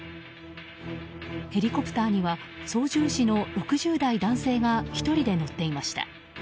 ヘリコプターには操縦士の６０代男性が１人で乗っていました。